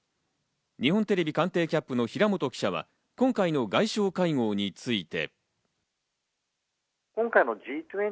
日本テレビ官邸キャップの平本記者は今回の外相会合について。